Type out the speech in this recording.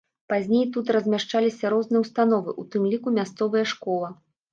Пазней тут размяшчаліся розныя ўстановы, у тым ліку мясцовыя школа.